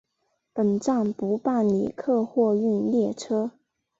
本站不办理客货运列车。